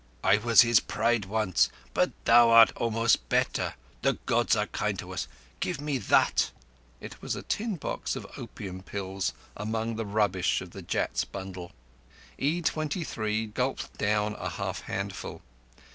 "I was his pride once, but thou art almost better. The Gods are kind to us! Give me that." It was a tin box of opium pills among the rubbish of the Jat's bundle. E23 gulped down a half handful.